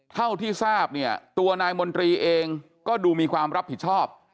เท่าที่ทราบเนี่ยตัวนายมนตรีเองก็ดูมีความรับผิดชอบ